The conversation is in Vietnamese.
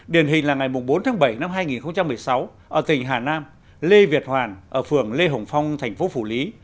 điển hình là ngày bốn tháng bảy năm hai nghìn một mươi sáu ở tỉnh hà nam lê việt hoàn ở phường lê hồng phong thành phố phủ lý